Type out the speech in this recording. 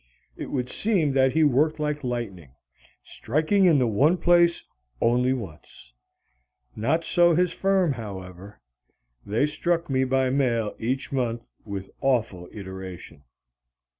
It would seem that he worked like lightning, striking in the same place only once. Not so his firm, however. They struck me by mail each month with awful iteration.